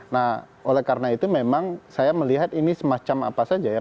nah oleh karena itu memang saya melihat ini semacam apa saja ya